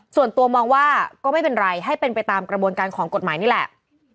ส่วนตัวมองว่าก็ไม่เป็นไรให้เป็นไปตามกระบวนการของกฎหมายนี่แหละ